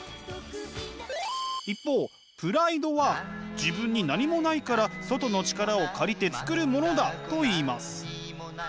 一方プライドは自分に何もないから外の力を借りてつくるものだといいます。